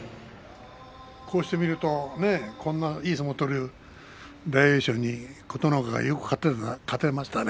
こうして見るとこんないい相撲を取れる大栄翔に琴ノ若、よく勝てましたね